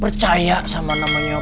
percaya sama namanya